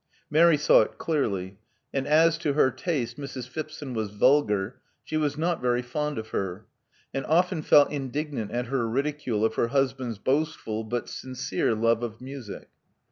Mary saw it clearl^ and as, to her taste, Mrs. Phipson was vulgar, she "vias not very fond of her, and often felt indignant at &r ridicule of her husband's boastful but sincere love m. music.